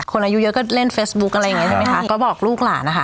อายุเยอะก็เล่นเฟซบุ๊คอะไรอย่างเงี้ใช่ไหมคะก็บอกลูกหลานนะคะ